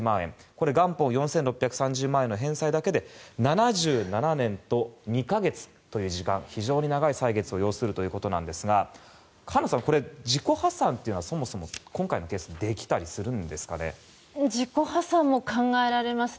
これ、元本４６３０万円の返済だけで７７年と２か月という時間非常に長い歳月を要するということなんですが菅野さん、自己破産というのはそもそも今回のケースは自己破産も考えられます。